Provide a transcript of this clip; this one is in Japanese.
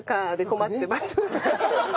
「困ってます」。